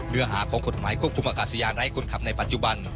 เนื้อหาของกฎหมายควบคุมอากาศยานไร้คนขับในปัจจุบัน